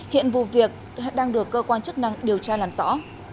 hiện vụ việc đang được cơ quan chức năng điều tra làm rõ